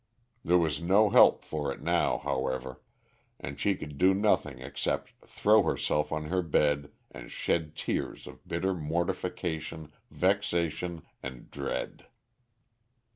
There was no help for it now, however, and she could do nothing except throw herself on her bed and shed tears of bitter mortification, vexation, and dread.